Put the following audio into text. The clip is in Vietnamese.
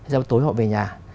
rồi tối họ về nhà